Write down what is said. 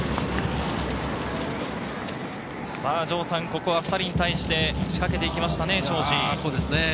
城さん、ここは２人に対して仕掛けてきましたね、庄司。